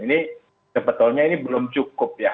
ini sebetulnya ini belum cukup ya